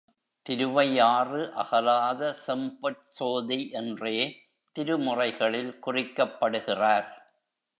திருவையாறு அகலாத செம்பொற் சோதி என்றே திருமுறைகளில் குறிக்கப்படுகிறார்.